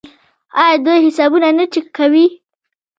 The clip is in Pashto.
آیا دوی حسابونه نه چک کوي؟